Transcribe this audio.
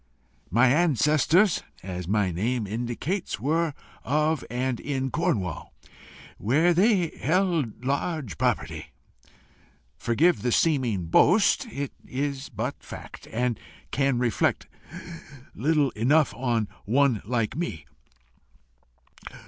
"My ancestors, as my name indicates, were of and in Cornwall, where they held large property. Forgive the seeming boast it is but fact, and can reflect little enough on one like me.